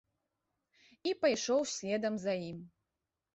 І пайшоў следам за ім.